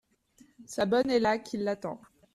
Sa bonne est là qui l’attend.